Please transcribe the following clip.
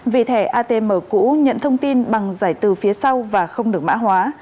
vì thẻ atm cũ nhận thông tin bằng giải từ phía sau và không được mã hóa